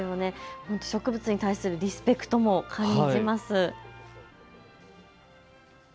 本当、植物に対するリスペクトも感じます。